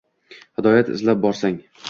Hidoyat izlab borsang